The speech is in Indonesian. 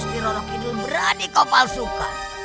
stirorokidul berani kau palsukan